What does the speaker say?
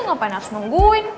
ngapain harus nungguin